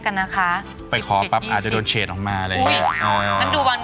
จัดนะครับบทขอปรับอาจจะโดนเชตออกมาอะไรอู๊ยนั่นดูวัน